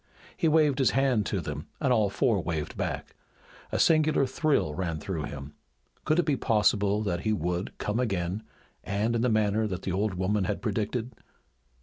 He waved his hand to them and all four waved back. A singular thrill ran through him. Could it be possible that he would come again, and in the manner that the old woman had predicted?